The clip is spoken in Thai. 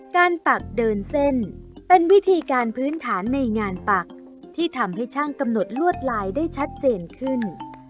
ปักเดินเส้นเป็นวิธีการพื้นฐานในงานปักที่ทำให้ช่างกำหนดลวดลายได้ชัดเจนขึ้น